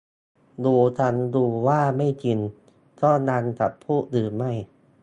รู้ทั้งรู้ว่าไม่จริงก็ยังจะพูดหรือไม่